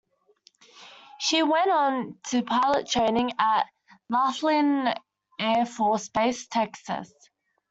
She went on to pilot training at Laughlin Air Force Base, Texas.